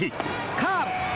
カーブ。